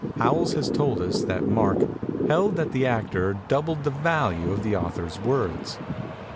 Howells has told us that Mark "held that the actor doubled the value of the author's words."